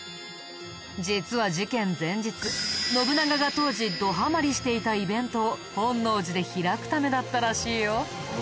実は事件前日信長が当時どハマりしていたイベントを本能寺で開くためだったらしいよ。